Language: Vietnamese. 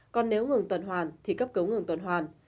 còn nếu ngừng tuần hoàn thì cấp cứu ngừng tuần hoàn